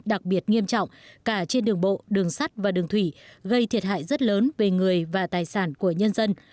đặc biệt nghiêm trọng cả trên đường bộ đường sắt và đường thủy gây thiệt hại rất lớn về người và tài sản của nhân dân